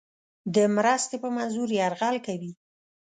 د مرستې په منظور یرغل کوي.